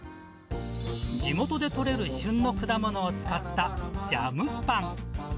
地元で取れる旬の果物を使ったジャムパン。